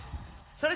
それ！